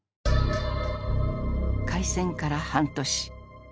開戦から半年。